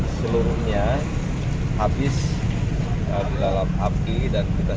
seluruhnya habis dilalam api dan kita barusan sudah bisa menyaksikan sekitar satu ratus lima puluh delapan kiosk diketahui